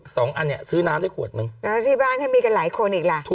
สองอันเนี้ยซื้อน้ำได้ขวดนึงแล้วที่บ้านถ้ามีกันหลายคนอีกล่ะถูก